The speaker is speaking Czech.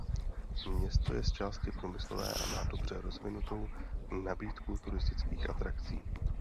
Město je zčásti průmyslové a má dobře rozvinutou nabídku turistických atrakcí.